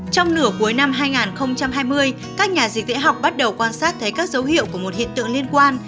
trong nửa cuối năm hai nghìn hai mươi các nhà dịch tễ học bắt đầu quan sát thấy các dấu hiệu của một hiện tượng liên quan